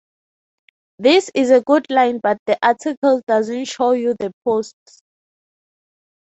This is a good line but the article doesn’t show you the posts.